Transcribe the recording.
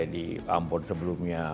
di ambon sebelumnya